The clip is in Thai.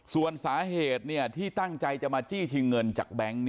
ส่วนสาเหตุที่ตั้งใจจะมาจี้ชิงเงินจากแบงค์